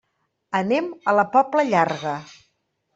Anem a la Pobla Llarga.